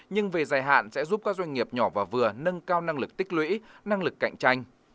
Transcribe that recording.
nhưng về dài hạn sẽ giúp các doanh nghiệp nhỏ và vừa nâng cao năng lực tích lũy năng lực cạnh tranh